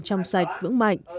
chăm sạch vững mạnh